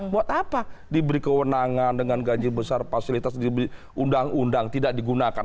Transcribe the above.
buat apa diberi kewenangan dengan gaji besar fasilitas diberi undang undang tidak digunakan